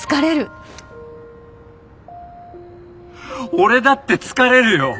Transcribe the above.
俺だって疲れるよ！